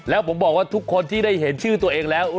แล้วผมบอกว่าทุกคนที่ได้เห็นชื่อตัวเองแล้ว